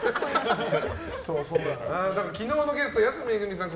昨日のゲスト、安めぐみさん